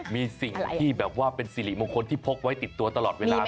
มีสิ่งที่แบบว่าเป็นสิริมงคลที่พกไว้ติดตัวตลอดเวลา